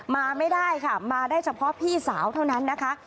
มาไม่ได้ค่ะมาได้เฉพาะพี่สาวเท่านั้นนะคะ